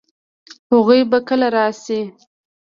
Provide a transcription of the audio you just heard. هغوی به کله راشي؟